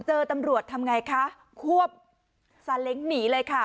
เจอตำรวจทำไงคะควบซาเล้งหนีเลยค่ะ